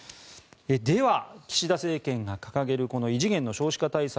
では、岸田政権が掲げる異次元の少子化対策